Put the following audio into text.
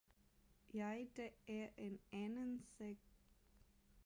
Ja det er en anden sag!